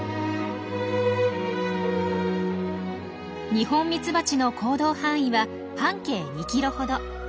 ニホンミツバチの行動範囲は半径２キロほど。